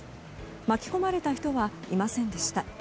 巻き込まれた人はいませんでした。